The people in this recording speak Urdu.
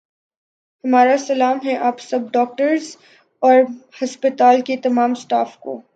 ہمارا سلام ہے آپ سب ڈاکٹرس اور ہسپتال کے تمام سٹاف کو